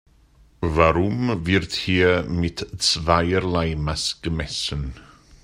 Warum wird hier mit zweierlei Maß gemessen?